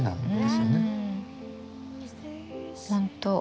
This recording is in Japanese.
本当。